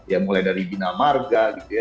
ya mulai dari bina marga gitu ya